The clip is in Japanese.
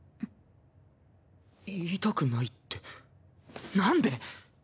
言いたくないってなんで？